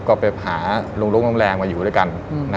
ก็ไปหาโรงโร่งโรงแรมมาอยู่ด้วยกัน